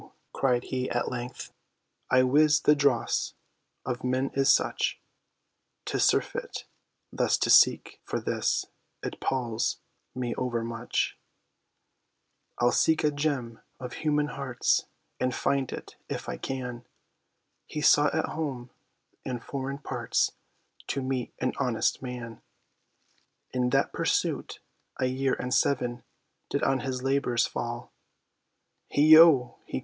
cried he at length, "I wis, the dross of men is such, 'Tis surfeit, thus to seek for this, it palls me overmuch; I'll seek a gem of human hearts, and find it, if I can," He sought at home, and foreign parts, to meet an honest man. In that pursuit, a year and seven, did on his labours fall; "Heigho!"